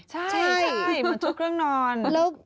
ใช่มันชุดเครื่องนอน